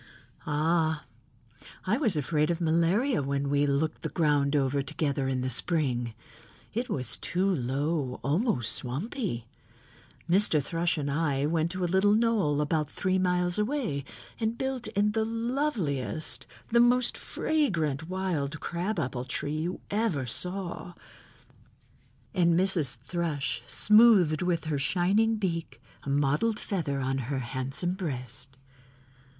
"Ah, I was afraid of malaria when we looked the ground over together in the spring. It was too low, almost swampy. Mr. Thrush and I went to a little knoll about three miles away and built in the loveliest, the most fragrant wild crabapple tree you ever saw," and Mrs. Thrush smoothed with shining beak a mottled feather on her handsome breast.